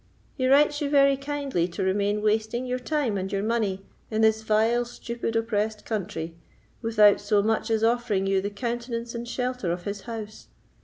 He writes you very kindly to remain wasting your time and your money in this vile, stupid, oppressed country, without so much as offering you the countenance and shelter of his house.